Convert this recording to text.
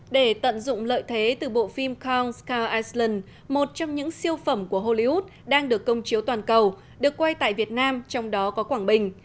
để tận dụng lợi thế từ bộ phim kong s cow island một trong những siêu phẩm của hollywood đang được công chiếu toàn cầu được quay tại việt nam trong đó có quảng bình